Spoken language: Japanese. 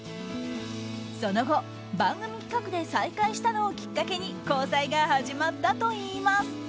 その後、番組企画で再開したのをきっかけに交際が始まったといいます。